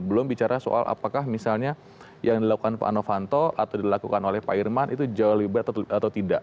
belum bicara soal apakah misalnya yang dilakukan pak novanto atau dilakukan oleh pak irman itu jauh lebih berat atau tidak